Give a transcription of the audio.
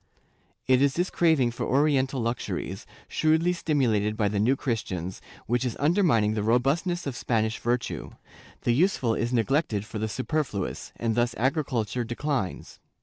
It is this craving for oriental luxuries, shrewdly stimulated by the New Christians, which is undermining the robustness of Spanish virtue; the useful is neglec ted for the superfluous, and thus agriculture declines.